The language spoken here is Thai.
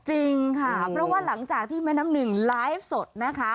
จริงค่ะเพราะว่าหลังจากที่แม่น้ำหนึ่งไลฟ์สดนะคะ